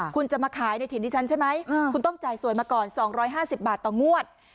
คุณจะมาขายในถิ่นที่ฉันใช่ไหมคุณต้องจ่ายสวยมาก่อน๒๕๐บาทต่องวด